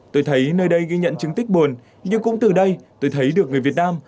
tôi thấy nơi đây ghi nhận chứng tích buồn nhưng cũng từ đây tôi thấy được người việt nam